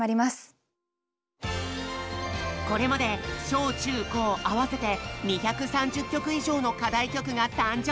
これまで小・中・高合わせて２３０曲以上の課題曲が誕生！